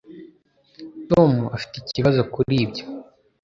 Tom afite ikibazo kuri ibyo?